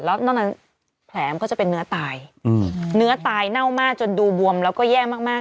แล้วนอกนั้นแผลมันก็จะเป็นเนื้อตายเนื้อตายเน่ามากจนดูบวมแล้วก็แย่มาก